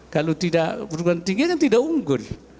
kalau tidak perguruan tinggi tidak unggul